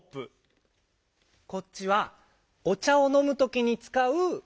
こっちはおちゃをのむときにつかう。